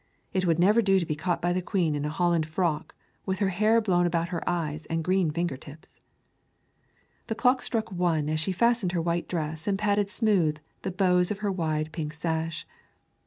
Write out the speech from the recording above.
It would never do to be caught by the Queen in a holland frock, with her hair blown about her eyes, and green finger tips! The clock struck one as she fastened her white dress and patted smooth the bows of her wide pink sash.